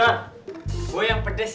jor gue yang pedes ya